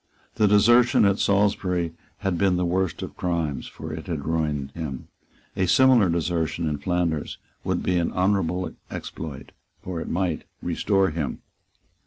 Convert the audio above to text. The desertion at Salisbury had been the worst of crimes; for it had ruined him. A similar desertion in Flanders would be an honourable exploit; for it might restore him.